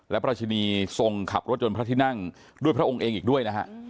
และประชินีทรงขับรถยนต์พระที่นั่งด้วยพระองค์เองอีกด้วยนะฮะ